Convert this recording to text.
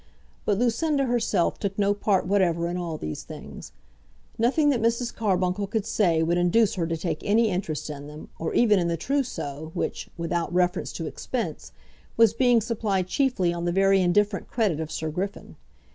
But Lucinda herself took no part whatever in all these things. Nothing that Mrs. Carbuncle could say would induce her to take any interest in them, or even in the trousseau, which, without reference to expense, was being supplied chiefly on the very indifferent credit of Sir Griffin.